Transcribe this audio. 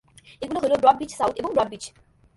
এগুলো হল Broadbeach South এবং ব্রডবিচ।